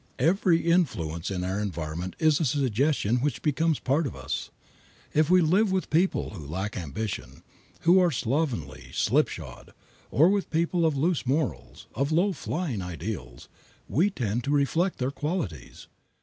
Every influence in our environment is a suggestion which becomes a part of us. If we live with people who lack ambition, who are slovenly, slipshod, or with people of loose morals, of low flying ideals, we tend to reflect their qualities.